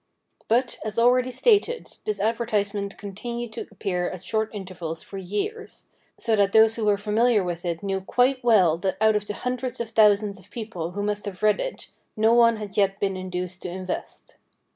But, as already stated, this advertisement continued to appear at short intervals for years, so that those who were familiar with it knew quite well that out of the hundreds of thousands of people who must have read it, no one had yet been induced to invest.